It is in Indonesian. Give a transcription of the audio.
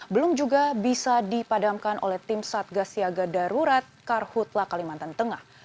belum juga bisa dipadamkan oleh tim satgas siaga darurat karhutla kalimantan tengah